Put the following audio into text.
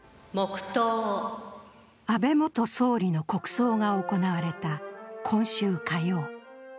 安倍元総理の国葬が行われた今週火曜。